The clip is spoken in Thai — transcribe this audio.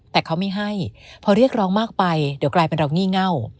แต่เขาไม่ให้พอเรียกร้องมากไปเดี๋ยวกลายเป็นเรางี่เง่า